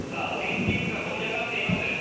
オリンピックが盛り上がっています。